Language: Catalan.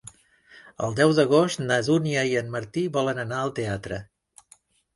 El deu d'agost na Dúnia i en Martí volen anar al teatre.